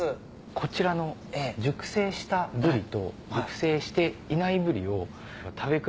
こちらの熟成したブリと熟成していないブリを食べ比べてほしい。